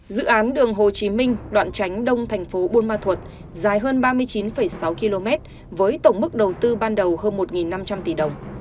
dự án đường hồ chí minh đoạn tránh đông thành phố buôn ma thuột dài hơn ba mươi chín sáu km với tổng mức đầu tư ban đầu hơn một năm trăm linh tỷ đồng